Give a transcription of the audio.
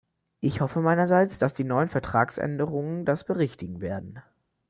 Ich hoffe meinerseits, dass die neuen Vertragsänderungen das berichtigen werden.